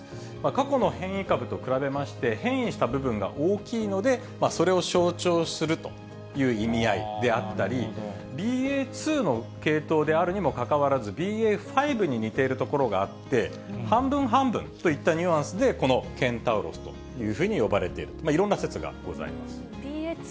過去の変異株と比べまして、変異した部分が大きいので、それを象徴するという意味合いであったり、ＢＡ．２の系統であるにもかかわらず、ＢＡ．５に似ているところがあって、半分半分といったニュアンスで、このケンタウロスというふうに呼ばれている、いろんな説がございます。